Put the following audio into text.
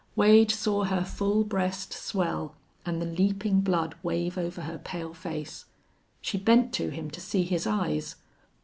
Wade saw her full breast swell and the leaping blood wave over her pale face. She bent to him to see his eyes.